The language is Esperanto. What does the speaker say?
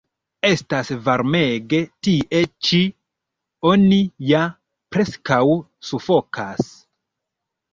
Estas varmege tie ĉi; oni ja preskaŭ sufokas.